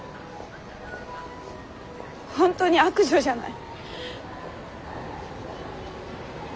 本当に悪女じゃない。